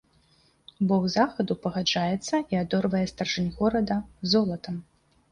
Бог захаду пагаджаецца і адорвае старшынь горада золатам.